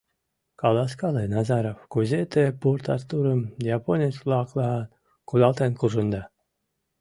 — Каласкале, Назаров, кузе те Порт-Артурым японец-влаклан кудалтен куржында?